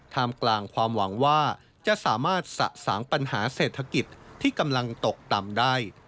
มกลางความหวังว่าจะสามารถสะสางปัญหาเศรษฐกิจที่กำลังตกต่ำได้